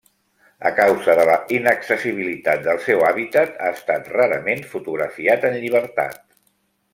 A causa de la inaccessibilitat del seu hàbitat ha estat rarament fotografiat en llibertat.